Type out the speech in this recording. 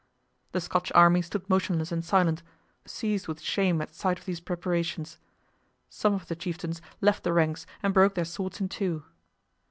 The Scotch army stood motionless and silent, seized with shame at sight of these preparations. Some of the chieftains left the ranks and broke their swords in two.